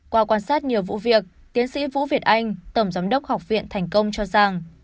qua quan sát nhiều vụ việc tiến sĩ vũ việt anh tổng giám đốc học viện thành công cho rằng